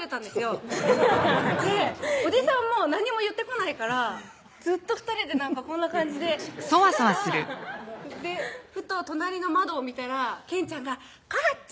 アハハハッおじさんも何も言ってこないからずっと２人でこんな感じでいたらふと隣の窓を見たらケンちゃんが「こっち